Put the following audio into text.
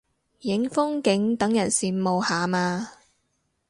影風景等人羨慕下嘛